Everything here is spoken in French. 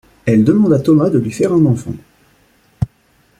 Elle demande à Thomas de lui faire un enfant.